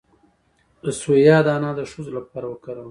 د سویا دانه د ښځو لپاره وکاروئ